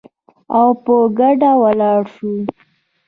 او په ګډه ولاړ شو